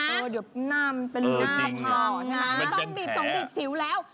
เออเดี๋ยวหน้ามันเป็นหน้าพองต้องบีบสองบีบสิวแล้ว